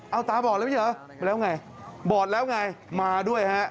เอาตาบอดแล้วไม่ใช่เหรอแล้วไงบอดแล้วไงมาด้วยฮะ